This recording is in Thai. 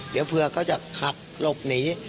เดี๋ยวเผื่อเขาจะขับหลบหนี